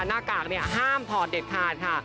หน้ากากห้ามถอดเด็ดขาดค่ะ